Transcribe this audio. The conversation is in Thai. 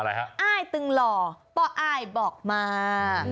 อ้ายตึงหล่อป๊ออ้ายบอกมา